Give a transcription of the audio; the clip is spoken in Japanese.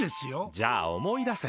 じゃあ思い出せ！